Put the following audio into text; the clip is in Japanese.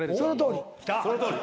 そのとおり。